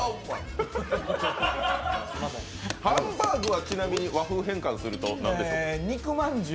ハンバーグはちなみに和風変換すると何でしょう。